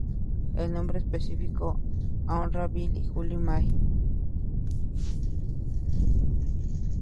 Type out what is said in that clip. El nombre específico honra a Bill y Julie May.